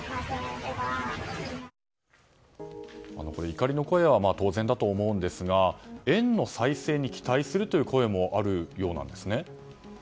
怒りの声は当然だと思うんですが園の再生に期待するという声もあるようなんですね。